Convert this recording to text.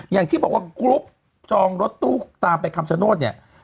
อย่างที่บอกว่ากรุ๊ปจองรถตู้ตามไปคำชโนธเนี่ย